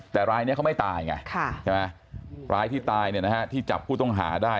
แต่รายนี้เขาไม่ตายไงใช่ไหมรายที่ตายที่จับผู้ต้องหาได้